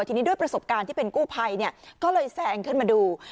ทีนี้ด้วยประสบการณ์ที่เป็นกู้ภัยก็เลยแซงขึ้นมาดู